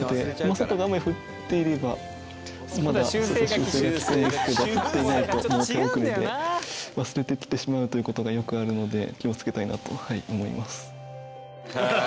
外が、雨降ってればまだ修正が効くんですけど降っていないと、もう手遅れで忘れてきてしまうという事がよくあるので気を付けたいなと思います。